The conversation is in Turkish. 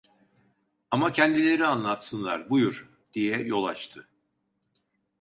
"Ama kendileri anlatsınlar, buyur!" diye yol açtı.